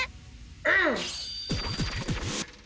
うん！